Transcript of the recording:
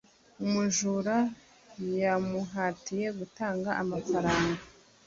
umujura yamuhatiye gutanga amafaranga